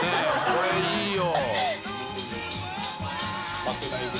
これいいよ。